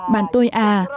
bạn tôi à